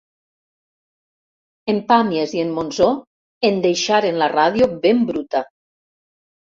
En Pàmies i en Monzó en deixaren la ràdio ben bruta.